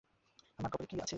আমার কপালে কী আছে!